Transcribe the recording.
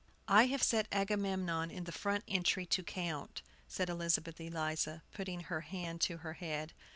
"I have set Agamemnon in the front entry to count," said Elizabeth Eliza, putting her hand to her head.